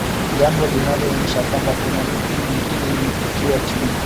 jambo linaloonyesha kwamba kuna miji mingine imefukiwa chini